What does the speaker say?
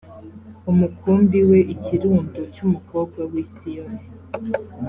umukumbi we ikirundo cy umukobwa w i siyoni